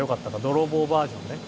泥棒バージョンね。